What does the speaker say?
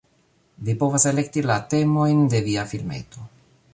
Vi povas elekti la temojn de via filmeto